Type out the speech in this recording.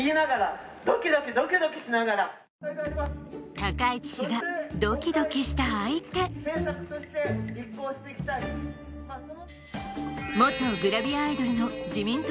高市氏がドキドキした相手元グラビアアイドルの自民党